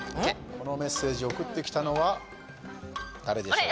このメッセージを送ってきたのは誰でしょうか？